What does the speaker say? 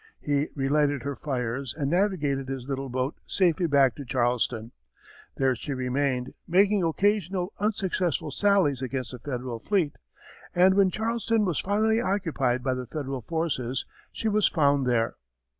He relighted her fires and navigated his little boat safely back to Charleston. There she remained, making occasional unsuccessful sallies against the Federal fleet, and when Charleston was finally occupied by the Federal forces, she was found there.